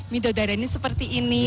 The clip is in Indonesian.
mido darah ini seperti ini